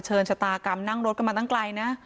เฉินฉันตากำนั่งรถก็มาตั้งไกลนะ